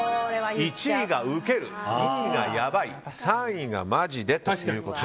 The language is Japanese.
１位がウケる、２位がヤバい３位がマジでと。